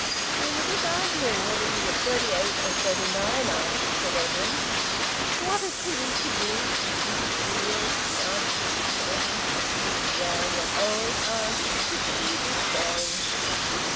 "We were just arguing whether you were thirty eight or thirty nine, auntie," said Edwin. "What a tease he is with his beard!" she archly retorted. "Well, your old aunt is sixty this day."